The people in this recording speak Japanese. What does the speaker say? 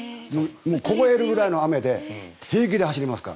凍えるぐらいの雨で平気で走りますから。